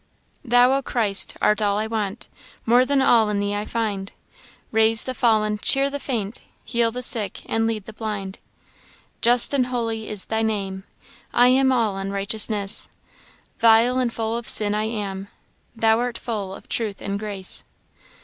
"Thou, O Christ, art all I want; More than all in thee I find; Raise the fallen, cheer the faint, Heal the sick, and lead the blind. Just and holy is thy name, I am all unrighteousness; Vile and full of sin I am, Thou art full of truth and grace."